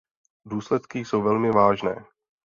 Důsledky jsou velmi vážné.